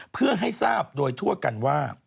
เพื่อให้ทราบโดยทั่วกันว่า